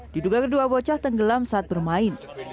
diduga kedua bocah tenggelam saat bermain